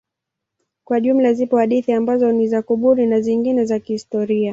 Kwa jumla zipo hadithi ambazo ni za kubuni na zingine za kihistoria.